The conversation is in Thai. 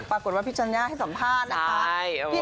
ปรากฏว่าพี่จัญญาให้สัมภาษณ์นะคะ